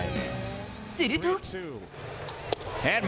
すると。